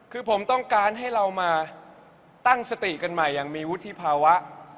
คือผมต้องการให้เรามาตั้งสติกันใหม่อย่างมีวุฒิภาวะ